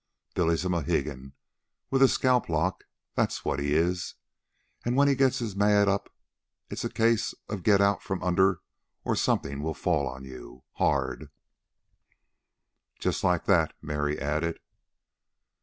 Billy's a Mohegan with a scalp lock, that's what he is. And when he gets his mad up it's a case of get out from under or something will fall on you hard." "Just like that," Mary added.